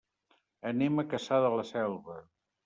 Anem a Cassà de la Selva.